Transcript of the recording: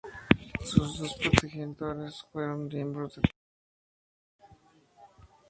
Sus dos progenitores fueron miembros del Partido Nazi.